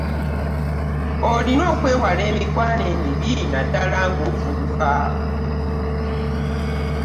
Olina okwewala emikwano emibi naddala ng'ovubuka.